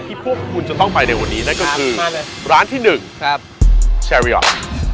ที่พวกคุณจะต้องไปในวันนี้นะคือร้านที่๑ชารีออก